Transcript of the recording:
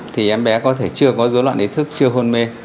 thì em bé có thể chưa có dối loạn ý thức chưa hôn mê